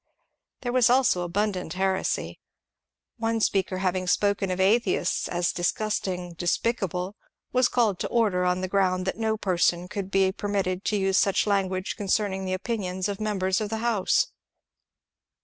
There was also abundant heresy. One speaker having spoken of atheists as "disgusting, despicable," was called to order on the ground '* that no person could be permitted to use such language con cerning the opinions of members of the house."